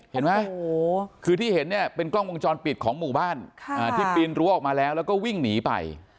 เห็นไหมคือที่เห็นเนี่ยเป็นกล้องวงจรปิดของหมู่บ้านที่ปีนรั้วออกมาแล้วแล้วก็วิ่งหนีไป